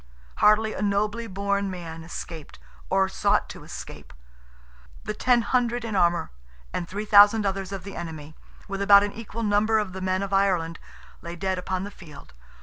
Hardly a nobly born man escaped, or sought to escape. The ten hundred in armour, and three thousand others of the enemy, with about an equal number of the men of Ireland, lay dead upon the field.